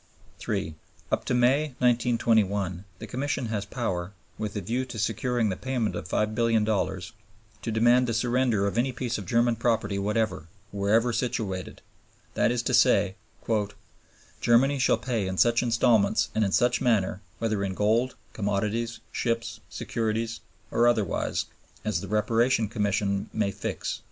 Up to May, 1921, the Commission has power, with a view to securing the payment of $5,000,000,000, to demand the surrender of any piece of German property whatever, wherever situated: that is to say, "Germany shall pay in such installments and in such manner, whether in gold, commodities, ships, securities, or otherwise, as the Reparation Commission may fix."